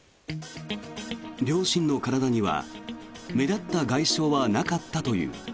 両親の体には目立った外傷はなかったという。